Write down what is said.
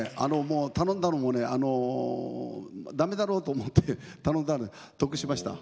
頼んだのもだめだろうと思って頼んで得しました。